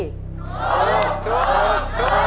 ถูกถูก